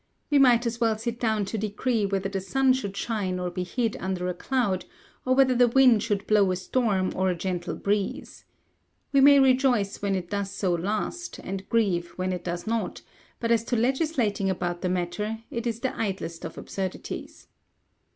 We might as well sit down to decree whether the sun should shine or be hid under a cloud, or whether the wind should blow a storm or a gentle breeze. We may rejoice when it does so last, and grieve when it does not; but as to legislating about the matter, it is the idlest of absurdities.